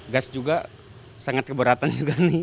gas juga sangat keberatan juga nih